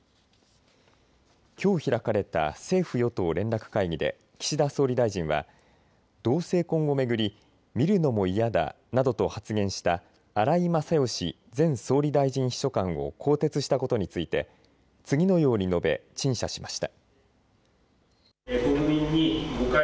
きょう開かれた政府与党連絡会議で岸田総理大臣は同性婚を巡り見るのも嫌だなどと発言した荒井勝喜前総理大臣秘書官を更迭したことについて次のように述べ、陳謝しました。